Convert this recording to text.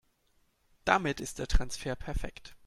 Damit ist der Transfer perfekt.